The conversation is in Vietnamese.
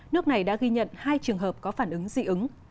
nước này đã ghi nhận hai trường hợp có phản ứng dị ứng